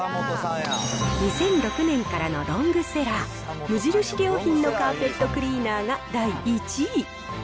２００６年からのロングセラー、無印良品のカーペットクリーナーが第１位。